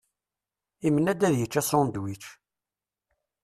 Imenna-d ad yečč asunedwič.